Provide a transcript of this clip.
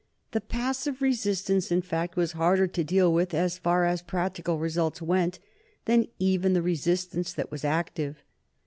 The passive resistance in fact was harder to deal with, as far as practical results went, than even the resistance that was active.